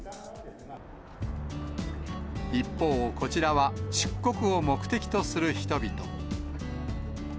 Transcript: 一方、こちらは、出国を目的とする人々。